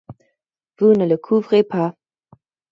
Vous ne le couvrez pas.